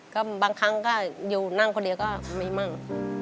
ก็บางครั้งก็อยู่นั่งคนเดียวก็มีมั่ง